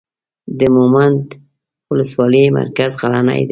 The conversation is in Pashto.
د مومند اولسوالۍ مرکز غلنۍ دی.